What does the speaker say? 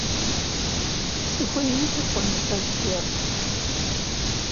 СыхуеинкӀи хъуну сэ зыгуэр?